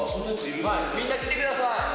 みんな来てください。